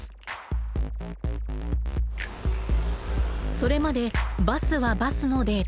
それまでバスはバスのデータ